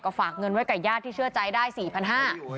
ฝากเงินไว้กับญาติที่เชื่อใจได้๔๕๐๐บาท